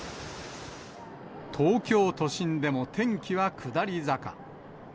東京都心でも天気は下り坂。